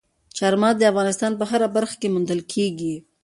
چار مغز د افغانستان په هره برخه کې موندل کېږي.